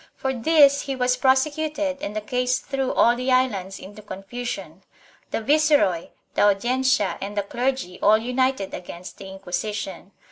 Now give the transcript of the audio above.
For this he was prosecuted and the case threw all the islands into confusion. The viceroy, the Audiencia and the clergy all united against the Inquisition.